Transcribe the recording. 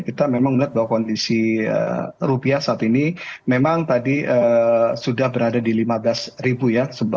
kita memang melihat bahwa kondisi rupiah saat ini memang tadi sudah berada di lima belas ribu ya